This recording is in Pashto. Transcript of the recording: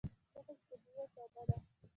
ځکه چې طبیعي او ساده ده.